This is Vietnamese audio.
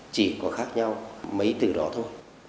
chỉ có khác nhau mấy từ đó thôi